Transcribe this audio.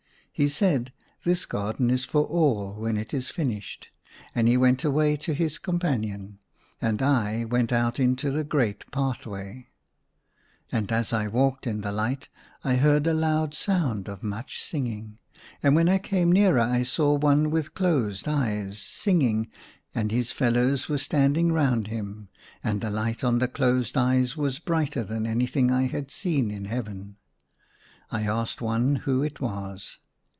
He said, " This garden is for all when it is finished." And he went away to his companion, and I went out into the great pathway. i66 THE SUNLIGHT LA V And as I walked in the light I heard a loud sound of much singing. And when I came nearer I saw one with closed eyes, singing, and his fellows were standing round him ; and the light on the closed eyes was brighter than anything I had seen in Heaven. I asked one who it was.